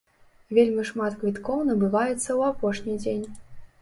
Вельмі шмат квіткоў набываецца ў апошні дзень.